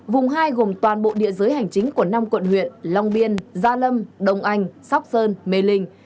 vùng hai gồm toàn bộ địa giới hành chính của năm quận huyện long biên gia lâm đông anh sóc sơn mê linh